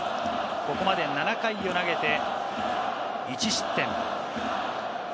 ここまで７回を投げて１失点。